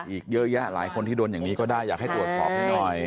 อีกเยอะแยะหลายคนที่โดนอย่างนี้ก็ได้อยากให้ตรวจสอบให้หน่อย